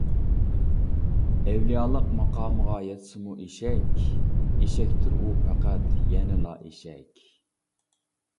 ئەۋلىيالىق ماقامىغا يەتسىمۇ ئېشەك، ئېشەكتۇر ئۇ پەقەت يەنىلا ئېشەك.